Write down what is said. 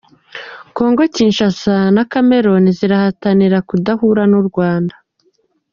Congo Kinshasa na Cameroon zirahatanira kudahura n’u Rwanda.